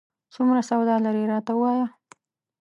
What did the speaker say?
څومره سواد لرې، راته ووایه ؟